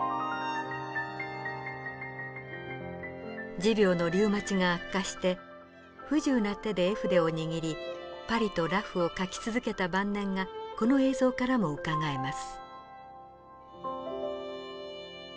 持病のリューマチが悪化して不自由な手で絵筆を握りパリと裸婦を描き続けた晩年がこの映像からもうかがえます。